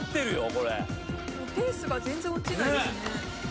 これペースが全然落ちないですね